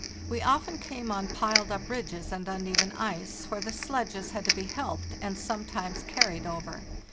We often came on piled up ridges and uneven ice, where the sledges had to be helped and sometimes carried over.